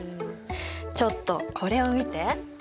ちょっとこれを見て。